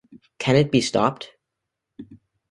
Can it Be Stopped?